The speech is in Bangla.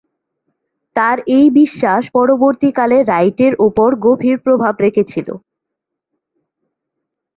তার এ বিশ্বাস পরবর্তীকালে রাইটের উপর গভীর প্রভাব রেখেছিল।